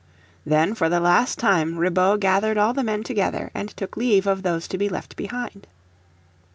Then for the last time Ribaut gathered all the men together and took leave of those to be left behind.